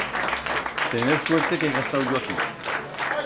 Tenez suerte que haiga estau yo aquí.